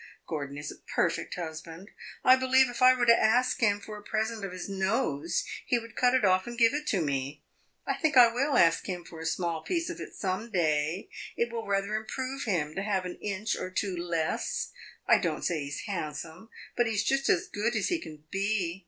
Gordon is a perfect husband; I believe if I were to ask him for a present of his nose, he would cut it off and give it to me. I think I will ask him for a small piece of it some day; it will rather improve him to have an inch or two less. I don't say he 's handsome; but he 's just as good as he can be.